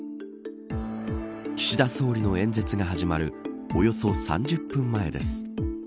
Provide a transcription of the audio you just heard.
岸田総理の演説が始まるおよそ３０分前です。